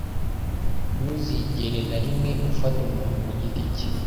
Ntuzigere na rimwe ufata umuntu ku giti cye.